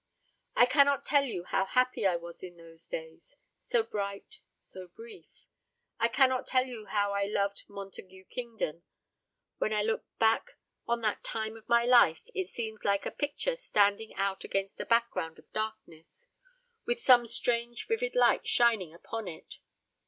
"I cannot tell you, how happy I was in those days so bright, so brief. I cannot tell you how I loved Montague Kingdon. When I look back to that time of my life, it seems like a picture standing out against a background of darkness, with some strange vivid light shining upon it.